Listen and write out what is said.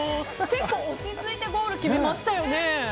結構、落ち着いてゴール決めましたよね。